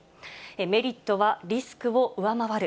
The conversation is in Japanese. メリットはリスクを上回る。